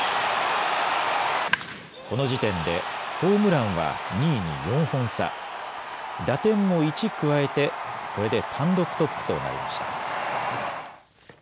この時点でホームランは２位に４本差、打点も１加えてこれで単独トップとなりました。